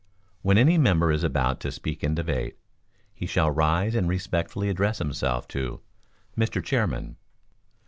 When any member is about to speak in debate, he shall rise and respectfully address himself to "Mr. Chairman."